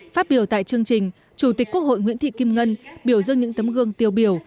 phát biểu tại chương trình chủ tịch quốc hội nguyễn thị kim ngân biểu dương những tấm gương tiêu biểu